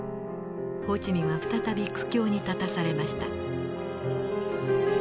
ホー・チ・ミンは再び苦境に立たされました。